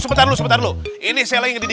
nenek sopri jangan benci deh